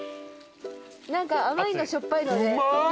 何か甘いのしょっぱいので。